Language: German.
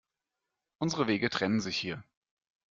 Unsere Wege trennen sich hier.